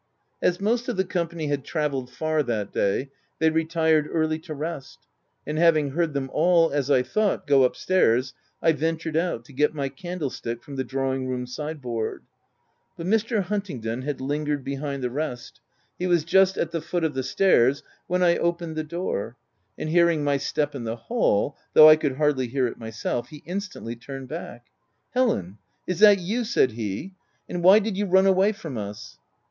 As most of the company had travelled far that day, they retired early to rest ; and having heard them all, as I thought, go up stairs, I ventured out, to get my candlestick from the drawing room side board. But Mr. Hunting don had lingered behind the rest : he was just at the foot of the stairs when I opened the door ; and hearing my step in the hall — though 328 THE TENANT I could hardly hear it myself — he instantly turned back. "Helen, is that you?" said he, " why did you run away from us?